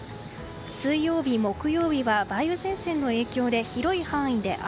水曜日、木曜日は梅雨前線の影響で広い範囲で雨。